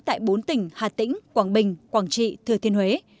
tại bốn tỉnh hà tĩnh quảng bình quảng trị thừa thiên huế